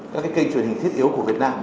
các kênh truyền hình thiết yếu của việt nam